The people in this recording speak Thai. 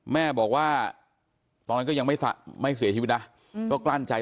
แม่บอกว่าตอนนั้นก็ยังไม่เสียชีวิตนะก็กลั้นใจ